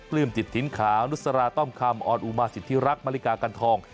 ลื้มจิตถิ่นขาวนุสราต้อมคำออนอุมาสิทธิรักมริกากันทอง